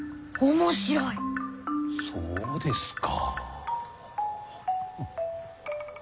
そうですか。